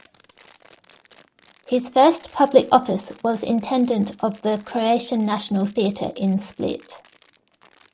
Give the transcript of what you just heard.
His first public office was intendant of the Croatian National Theatre in Split.